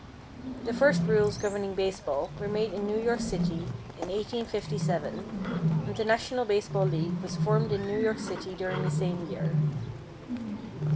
The first rules governing baseball were made in New York City, in 1857, and the National Baseball League was formed in New York City during the same year.